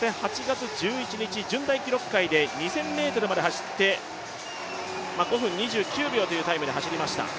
そして８月１１日、順大記録会で２０００ｍまで走って、５分２９秒というタイムで走りました。